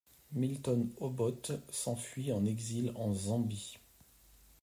Milton Obote s'enfuit en exil en Zambie.